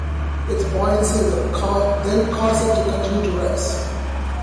Its buoyancy will then cause it to continue to rise.